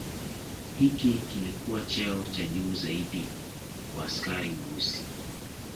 Hiki kilikua cheo cha juu zaidi kwa askari Mweusi